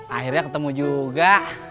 akhirnya ketemu juga